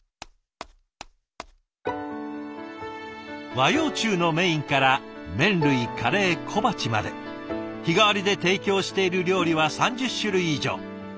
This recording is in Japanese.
和洋中のメインから麺類カレー小鉢まで日替わりで提供している料理は３０種類以上。